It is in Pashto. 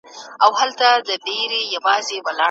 ساینسي علوم پر تجربو ولاړ دي.